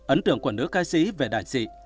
ấn tượng của nữ ca sĩ về đại sĩ